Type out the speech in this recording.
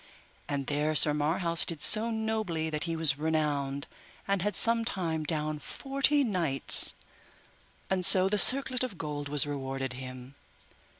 And there Sir Marhaus did so nobly that he was renowned, and had sometime down forty knights, and so the circlet of gold was rewarded him.